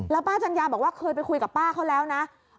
แล้วป้าจัญญาบอกว่าเคยไปคุยกับป้าเขาแล้วนะ